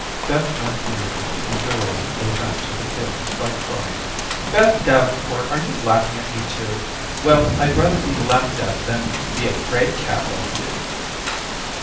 Beth ran to meet her and Julia gave vent to her feelings by crying: "Beth Davenport, are you laughing at me too? Well, I'd rather be laughed at than be a 'fraid cat like you."